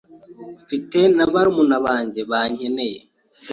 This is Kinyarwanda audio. mfite na barumuna banjye bankeneye.